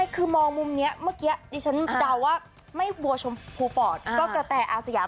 คือมองมุมนี้เมื่อกี้ดิฉันเดาว่าไม่บัวชมพูปอดก็กระแตอาสยาม